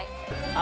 あ。